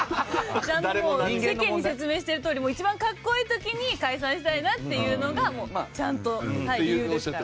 ちゃんともう世間に説明してるとおり一番かっこいい時に解散したいなっていうのがもうちゃんと理由ですから。